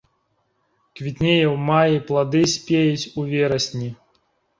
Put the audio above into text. Квітнее ў маі, плады спеюць у верасні.